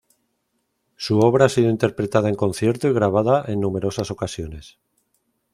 Su obra ha sido interpretada en concierto y grabada en numerosas ocasiones.